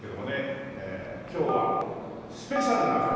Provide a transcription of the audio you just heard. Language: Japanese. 今日はスペシャルな方。